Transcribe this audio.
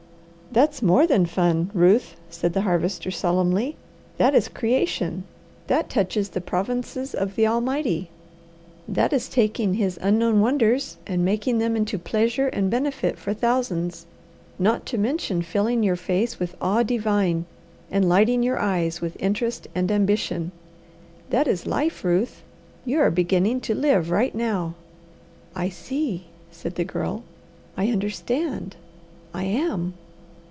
"That's more than fun, Ruth," said the Harvester solemnly. "That is creation. That touches the provinces of the Almighty. That is taking His unknown wonders and making them into pleasure and benefit for thousands, not to mention filling your face with awe divine, and lighting your eyes with interest and ambition. That is life, Ruth. You are beginning to live right now." "I see," said the Girl. "I understand! I am!"